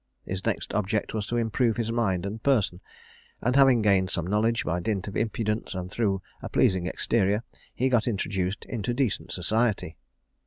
His next object was to improve his mind and person; and having gained some knowledge, by dint of impudence and through a pleasing exterior he got introduced into decent society.